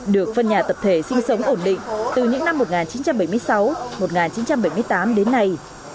được phân nhà tập thể sinh sống ổn định từ những năm một nghìn chín trăm bảy mươi sáu một nghìn chín trăm bảy mươi tám đến nay